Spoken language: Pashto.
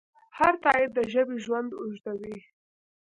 هر تایید د ژبې ژوند اوږدوي.